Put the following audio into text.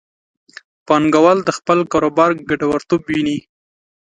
پانګوال د خپل کاروبار ګټورتوب ویني.